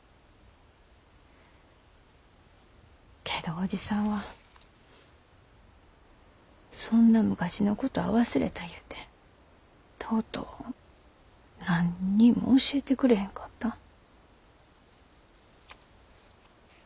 けど伯父さんはそんな昔のことは忘れた言うてとうとう何にも教えてくれへんかった。